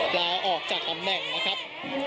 ลาออกจากตำแหน่งนะครับ